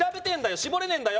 絞れねえんだよ